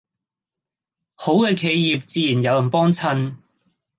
好嘅企業自然有人幫襯